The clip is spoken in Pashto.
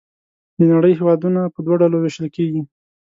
د نړۍ هېوادونه په دوه ډلو ویشل کیږي.